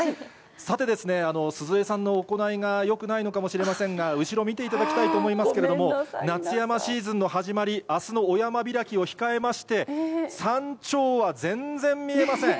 さてですね、鈴江さんの行いがよくないのかもしれませんが、後ろ見ていただきたいと思いますけれども、夏山シーズンの始まり、あすのお山開きを控えまして、山頂は全然見えません。